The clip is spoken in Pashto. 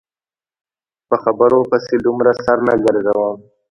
په خبرو پسې دومره سر نه ګرځوم.